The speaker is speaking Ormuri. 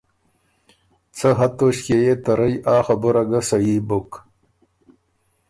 څۀ حد توݭکيې يې ته رئ ا خبُره ګۀ صحیح بُک